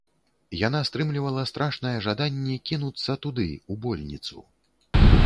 Яна стрымлівала страшнае жаданне кінуцца туды, у больніцу.